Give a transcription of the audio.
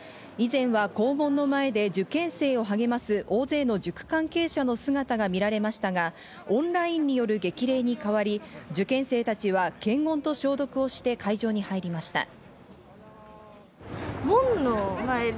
以前は校門の前で受験生を励ます大勢の塾関係者の姿が見られましたが、オンラインによる激励に変わり、受験生たちは検温と消毒をして会場に入りました。